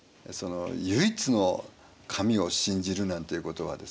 唯一の神を信じるなんていうことはですね